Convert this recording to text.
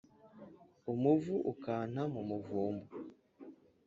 umuvu ukanta mu muvumba